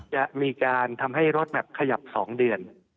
จะมีการทำให้รถแมพขยับ๒เดือน